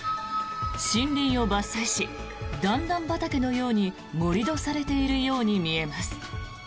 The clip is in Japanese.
森林を伐採し段々畑のように盛り土されているように見えます。